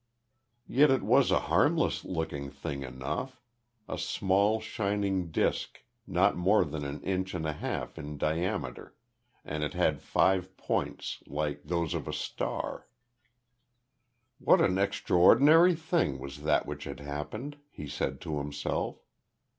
Yet it was a harmless looking thing enough a small, shining disk not more than an inch and a half in diameter, and it had five points like those of a star. What an extraordinary thing was that which had happened, he said to himself.